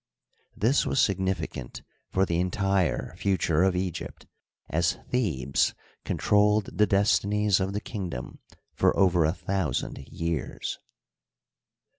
This was significant for the entire future of Egypt, as Thebes con trolled the destinies of the kingdom for over a thousand years.